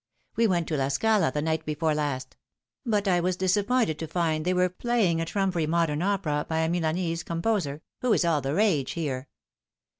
We went to La Scala the night before last ; but I was disappointed to find they were playing a trumpery modern opera by a Milanese composer, who is all the rage here."